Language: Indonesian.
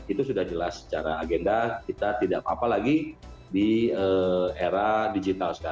itu sudah jelas secara agenda kita tidak apa apa lagi di era digital sekarang